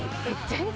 全然。